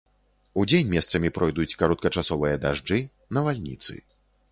Удзень месцамі пройдуць кароткачасовыя дажджы, навальніцы.